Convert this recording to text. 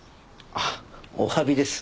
あっお詫びです。